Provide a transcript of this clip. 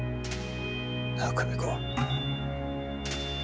なあ、久美子。